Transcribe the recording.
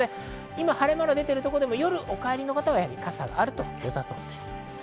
今晴れ間が出ていても、夜お帰りの方は傘があるとよさそうです。